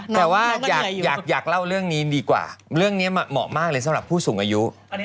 แต่ว่าอยากเล่าเรื่องนี้ดีกว่าเรื่องนี้เหมาะมากเลยสำหรับผู้สูงอายุ